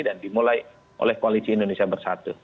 dan dimulai oleh koalisi indonesia bersatu